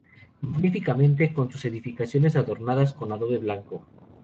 Magníficamente con sus edificaciones adornadas con adobe blanco.